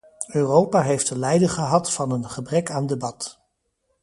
Europa heeft te lijden gehad van een gebrek aan debat.